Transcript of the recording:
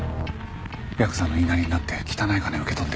ヤクザの言いなりになって汚い金を受け取って。